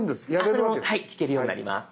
それも聴けるようになります。